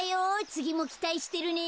つぎもきたいしてるね。